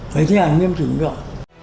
phải thi hành nghiêm trình được